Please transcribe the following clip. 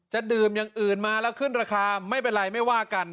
จะดื่มอย่างอื่นมาแล้วขึ้นราคาไม่เป็นไรไม่ว่ากัน